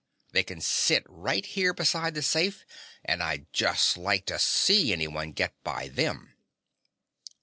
"They can sit right here beside the safe and I'd just like to see anyone get by them!"